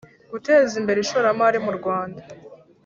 guteza imbere ishoramari mu Rwanda